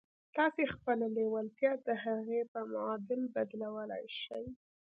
تاسې خپله لېوالتیا د هغې په معادل بدلولای شئ